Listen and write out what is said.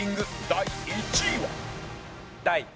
第１位は。